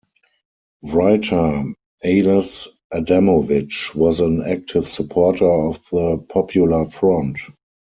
Writer Ales Adamovich was an active supporter of the Popular Front.